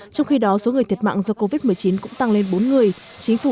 trong khi đó số người thiệt mạng do covid một mươi chín cũng tăng lên bốn người chính phủ